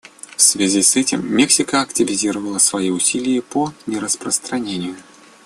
В связи с этим Мексика активизировала свои усилия по нераспространению.